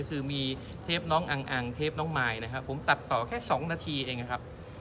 คือมีเทปน้องอังเทปน้องมายนะครับผมตัดต่อแค่๒นาทีเองนะครับ